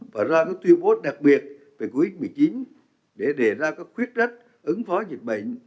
và ra các tuyên bố đặc biệt về covid một mươi chín để đề ra các khuyết rách ứng phó dịch bệnh